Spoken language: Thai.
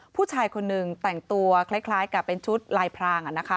ผู้ชายคนหนึ่งแต่งตัวคล้ายกับเป็นชุดลายพราง